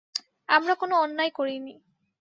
আমরা কোনো অন্যায় করিনি।